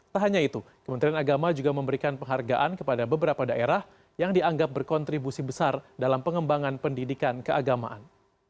tak hanya itu kementerian agama juga memberikan penghargaan kepada beberapa daerah yang dianggap berkontribusi besar dalam pengembangan pendidikan keagamaan